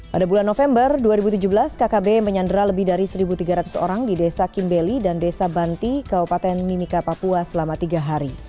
pada bulan november dua ribu tujuh belas kkb menyandra lebih dari satu tiga ratus orang di desa kimbeli dan desa banti kabupaten mimika papua selama tiga hari